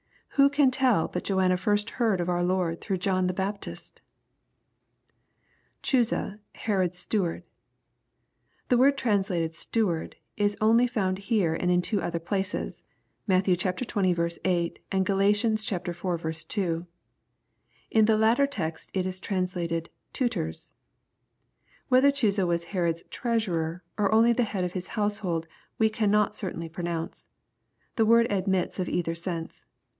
Who can tell but Joanna first heard of our Lord through John the Baptist ? [Chuzaj Herod! 8 steward^ The word translated " steward" is only found here and in two other places : Matt xx. 8. and Gal. iv. 2. In the latter text it is translated " tutors." Whether Ohuza was Herod's treasurer or only the head of his household we can not certainly pronounce. The word admits of either sense.